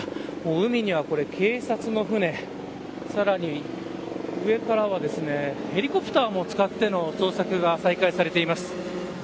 海には警察の船さらに上からはヘリコプターも使っての捜索が再開されています。